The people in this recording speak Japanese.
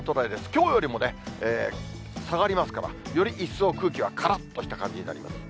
きょうよりも下がりますから、より一層、空気はからっとした感じになります。